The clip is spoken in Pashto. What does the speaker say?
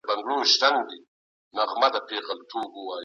د پښتنو ټولنیز ژوند یې وڅېړه